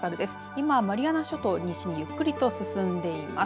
今マリアナ諸島西にゆっくりと進んでいます。